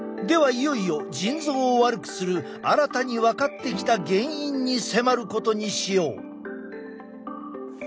いよいよ腎臓を悪くする新たに分かってきた原因に迫ることにしよう。